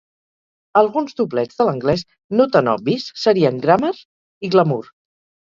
Alguns doblets de l'anglès no tan obvis serien "grammar" i "glamour".